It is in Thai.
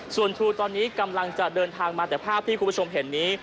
ส่วนทรูตอนนี้กำลังจะเดินทางมาแต่ภาพที่คุณผู้ชมเห็นนี้